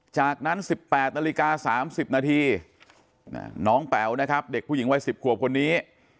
จากนั้น๑๘นาฬิกา๓๐นาทีน้องแป๋วนะครับเด็กผู้หญิงวัย๑๐ขวบคนนี้